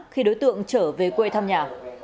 khi đối tượng trở về quê thăm nhà